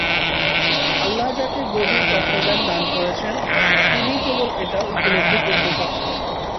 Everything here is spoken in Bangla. আল্লাহ যাকে গভীর তত্ত্বজ্ঞান দান করেছেন, তিনিই কেবল এটা উপলব্ধি করতে সক্ষম।